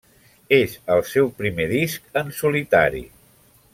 És el seu primer disc en solitari.